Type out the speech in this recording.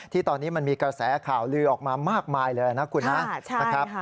ที่ตอนนี้มันมีกระแสข่าวลือออกมามากมายเลยนะคุณนะ